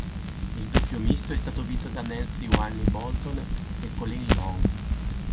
Il doppio misto è stato vinto da Nancye Wynne Bolton e Colin Long.